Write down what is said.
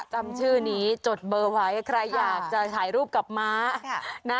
จำชื่อนี้จดเบอร์ไว้ใครอยากจะถ่ายรูปกับม้า